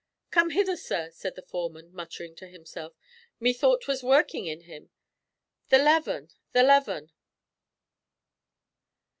"Come hither, sir," said the foreman, muttering to himself, "Methought 'twas working in him! The leaven! the leaven!"